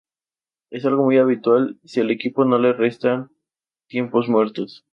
Es algo muy habitual si al equipo no le restan tiempos muertos.